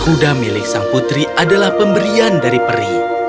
kuda milik sang putri adalah pemberian dari peri